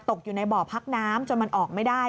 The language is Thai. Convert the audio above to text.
อยู่ในบ่อพักน้ำจนมันออกไม่ได้